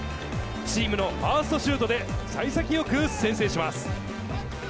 チームのファーストシュートで幸先よく先制します。